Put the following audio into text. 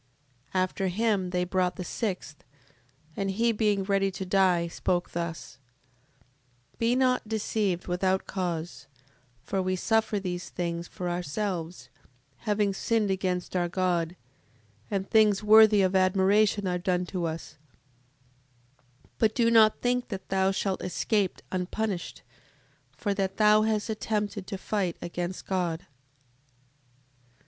7:18. After him they brought the sixth, and he being ready to die, spoke thus: Be not deceived without cause: for we suffer these things for ourselves, having sinned against our God, and things worthy of admiration are done to us: 7:19. But do not think that thou shalt escape unpunished, for that thou hast attempted to fight against God.